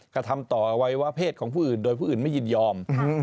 กระทำต่ออวัยวะเพศของผู้อื่นโดยผู้อื่นไม่ยินยอม